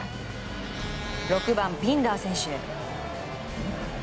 ６番、ピンダー選手。